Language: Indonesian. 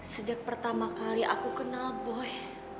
sejak pertama kali aku kenal boy